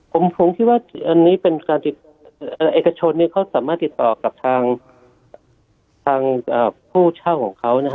ผมคิดว่าเอกชนนี้เขาสามารถติดต่อกับทางผู้เช่าของเขานะคะ